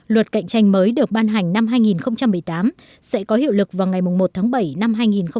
luật cạnh tranh mới được ban hành năm hai nghìn một mươi tám sẽ có hiệu lực vào ngày một tháng bảy năm hai nghìn một mươi chín